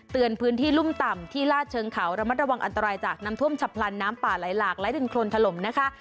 พื้นที่รุ่มต่ำที่ลาดเชิงเขาระมัดระวังอันตรายจากน้ำท่วมฉับพลันน้ำป่าไหลหลากและดินโครนถล่มนะคะ